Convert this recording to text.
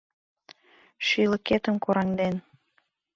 Шÿлыкетым кораҥден